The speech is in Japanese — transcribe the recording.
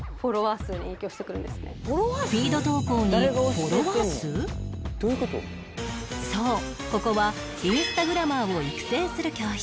この日そうここはインスタグラマーを育成する教室